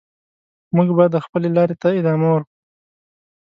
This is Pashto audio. موږ به د خپلې لارې ته ادامه ورکړو.